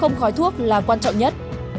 không khói thuốc là quan trọng nhất